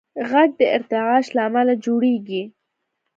غږ د ارتعاش له امله جوړېږي.